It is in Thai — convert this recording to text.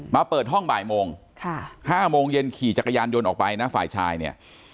เปิดห้องบ่ายโมง๕โมงเย็นขี่จักรยานยนต์ออกไปนะฝ่ายชายเนี่ย